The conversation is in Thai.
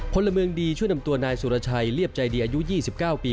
พลเมืองดีช่วยนำตัวนายสุรชัยเรียบใจดีอายุ๒๙ปี